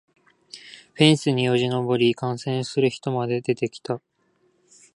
フェンスによじ登り観戦する人まで出てきた